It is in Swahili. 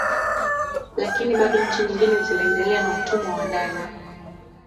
Lakini bado nchi nyingine ziliendelea na utumwa wa ndani